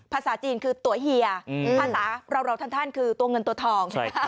ภาษาจีนคือตัวเฮียภาษาเราท่านคือตัวเงินตัวทอง